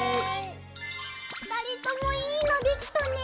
２人ともいいのできたね。